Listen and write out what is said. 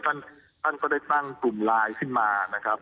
ท่านก็ได้ตั้งกลุ่มไลน์ขึ้นมา